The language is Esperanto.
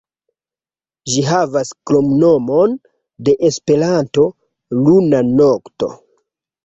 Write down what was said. Ĝi havas kromnomon de Esperanto, "Luna Nokto".